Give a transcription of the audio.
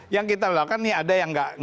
yang kita lakukan nih ada yang nggak